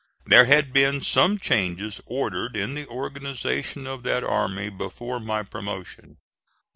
There had been some changes ordered in the organization of that army before my promotion.